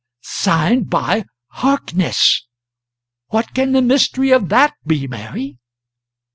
"Signed by Harkness. What can the mystery of that be, Mary?"